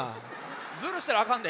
ずるしたらあかんで。